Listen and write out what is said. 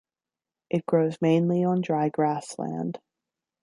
It grows mainly on dry grassland.